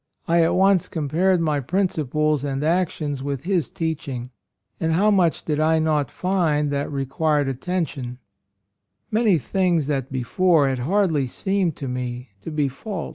I at once com pared my principles and actions with His teaching; and how much did I not find that re quired attention, — many things that before had hardly seemed to me to be faults!